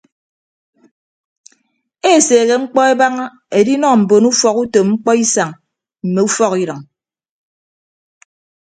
Eseehe mkpọ ebaña edinọ mbon ufọkutom mkpọisañ mme ufọkidʌñ.